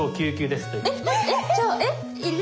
えっ！